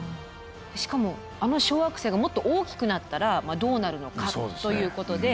しかもあの小惑星がもっと大きくなったらどうなるのかということで。